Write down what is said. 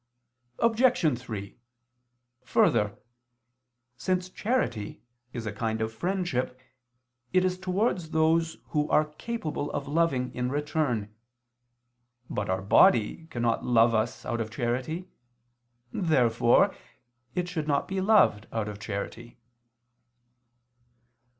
Obj. 3: Further, since charity is a kind of friendship it is towards those who are capable of loving in return. But our body cannot love us out of charity. Therefore it should not be loved out of charity.